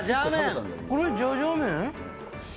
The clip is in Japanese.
これ、じゃじゃ麺？